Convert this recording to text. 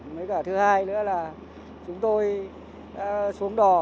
mới cả thứ hai nữa là chúng tôi đã xuống đỏ